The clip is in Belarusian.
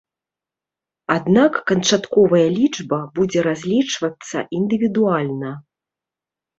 Аднак канчатковая лічба будзе разлічвацца індывідуальна.